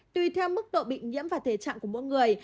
tùy theo mức độ bị nhiễm và thể trạng của mỗi người